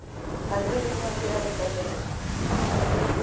Cando vives nunha cidade pérdese.